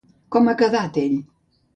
Com ha quedat ell?